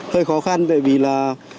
hơi khó khăn bởi vì là